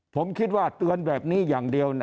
ผมคิดว่าเตือนแบบนี้อย่างเดียว